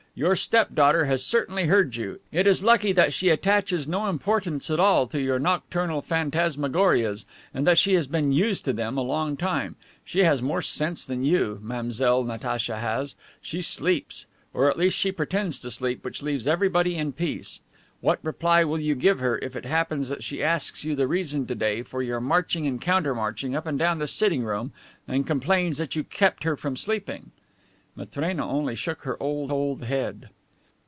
Your step daughter has certainly heard you. It is lucky that she attaches no importance at all to your nocturnal phantasmagorias, and that she has been used to them a long time. She has more sense than you, Mademoiselle Natacha has. She sleeps, or at least she pretends to sleep, which leaves everybody in peace. What reply will you give her if it happens that she asks you the reason to day for your marching and counter marching up and down the sitting room and complains that you kept her from sleeping?" Matrena only shook her old, old head.